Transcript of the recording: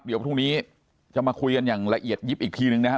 เดี๋ยวพรุ่งนี้จะมาคุยกันอย่างละเอียดยิบอีกทีนึงนะครับ